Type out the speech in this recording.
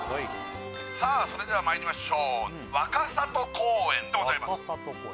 さあそれではまいりましょう若里公園でございます